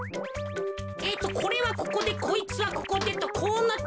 えっとこれはここでこいつはここでとこうなって。